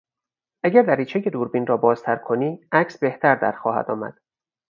اگر دریچه دوربین را بازتر کنی عکس بهتر در خواهد آمد.